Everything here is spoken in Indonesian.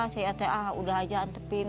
saya kata ah udah aja antepin